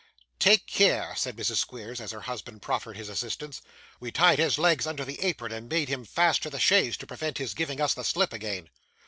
'Take care,' cried Mrs. Squeers, as her husband proffered his assistance. 'We tied his legs under the apron and made'em fast to the chaise, to prevent his giving us the slip again.